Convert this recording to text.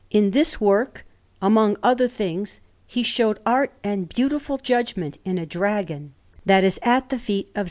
In this work, among other things, he showed art and beautiful judgment in a dragon that is at the feet of S.